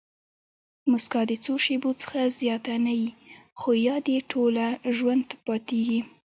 مسکا د څو شېبو څخه زیاته نه يي؛ خو یاد ئې ټوله ژوند پاتېږي.